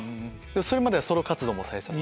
それまではソロ活動もされてた？